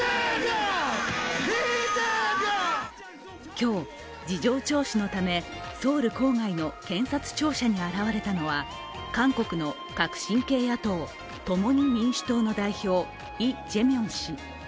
今日、事情聴取のためソウル郊外の検察庁舎に現れたのは韓国の革新系野党・共に民主党の代表、イ・ジェミョン氏。